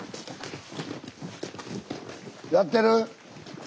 やってる？